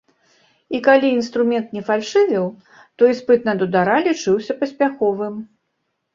І калі інструмент не фальшывіў, то іспыт на дудара лічыўся паспяховым.